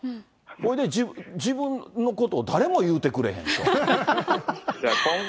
ほいで、自分のことを誰も言うてくれへんと。